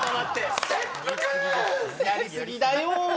やり過ぎだよ。